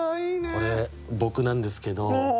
これ僕なんですけど。